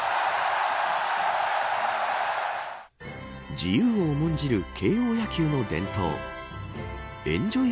自由を重んじる慶応野球の伝統エンジョイ